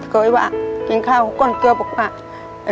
เคยว่ากินข้าวก้นเกลือบอกว่า